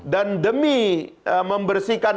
dan demi membersihkan